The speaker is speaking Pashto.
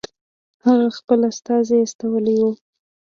هغه خپل استازی استولی وو.